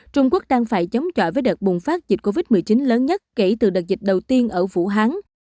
trung quốc đang phải chống chọi với đợt bùng phát dịch covid một mươi chín lớn nhất kể từ đợt dịch đầu tiên ở vũ hán